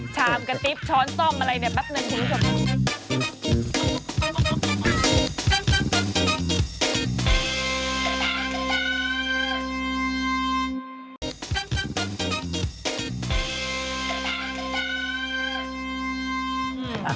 ชามกะติ๊บช้อนส้อมอะไรแป๊บหนึ่งถึงก่อน